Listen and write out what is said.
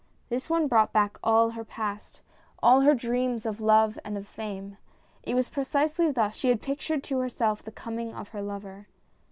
This one brought back all her past, all her dreams of love and of fame. It was precisely thus she had pictured to herself the coming of her lover.